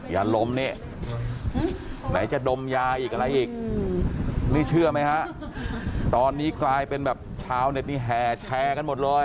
ยาลมนี่ไหนจะดมยาอีกอะไรอีกนี่เชื่อไหมฮะตอนนี้กลายเป็นแบบชาวเน็ตนี่แห่แชร์กันหมดเลย